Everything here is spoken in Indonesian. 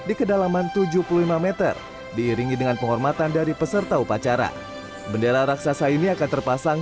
di kedalaman tujuh puluh lima m diiringi dengan penghormatan dari peserta upacara bendera raksasa ini akan terpasang